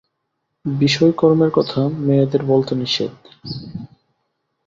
বিষয়কর্মের কথা মেয়েদের বলতে নিষেধ।